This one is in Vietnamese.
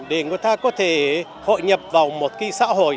để người ta có thể hội nhập vào một cái xã hội